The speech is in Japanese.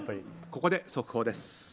ここで速報です。